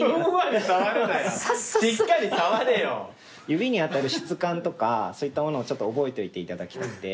指に当たる質感とかそういったものを覚えておいていただきたくて。